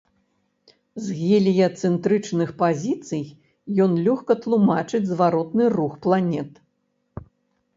З геліяцэнтрычных пазіцый ён лёгка тлумачыць зваротны рух планет.